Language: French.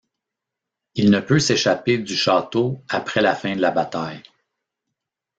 Il ne peut s'échapper du château après la fin de la bataille.